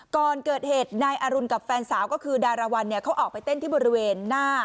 ก่อนเกิดเหตุนายอรุณกับแฟนสาวก็คือดารวรรณเนี่ยเขาออกไปเต้นที่บริเวณหน้า